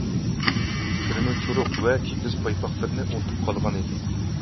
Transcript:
پۈرمە چورۇق ۋە كىگىز پايپاقلىرىنى ئۇنتۇپ قالغانىدى.